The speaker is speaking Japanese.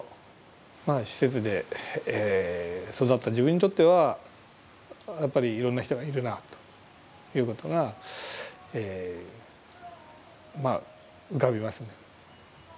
まあ施設で育った自分にとってはやっぱりいろんな人がいるなぁということがまあ浮かびますね。